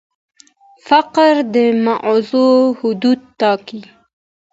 فقره د موضوع حدود ټاکي.